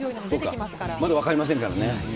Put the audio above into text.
まだ分かりませんからね。